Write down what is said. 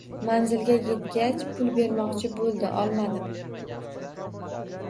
Manzilga yetgach pul bermoqchi boʻldi, olmadim.